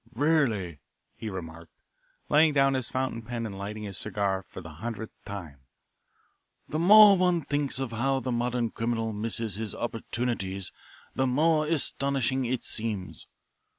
"Really," he remarked, laying down his fountain pen and lighting his cigar for the hundredth time, "the more one thinks of how the modern criminal misses his opportunities the more astonishing it seems.